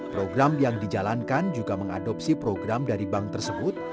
program yang dijalankan juga mengadopsi program dari bank tersebut